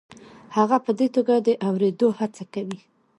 هغه په دې توګه د اورېدو هڅه کوي.